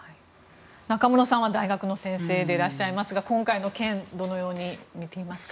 中室さんは大学の先生でいらっしゃいますが今回の件どのように見ていますか？